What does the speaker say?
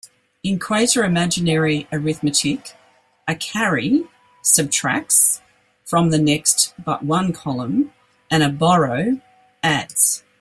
In quater-imaginary arithmetic, a "carry" "subtracts" from the next-but-one column, and a "borrow" "adds".